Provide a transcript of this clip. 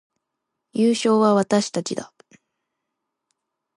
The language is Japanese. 優勝は私たちだ